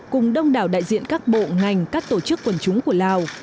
cùng đông đảo đại diện các bộ ngành các tổ chức quần chúng của lào